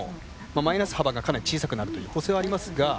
マイナス幅がかなり小さくなるという補正はありますが。